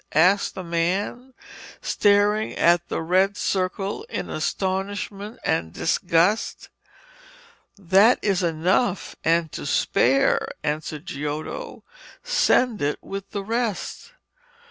asked the man, staring at the red circle in astonishment and disgust. 'That is enough and to spare,' answered Giotto. 'Send it with the rest.'